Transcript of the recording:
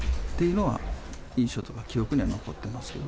今は印象とか、記憶には残ってますけど。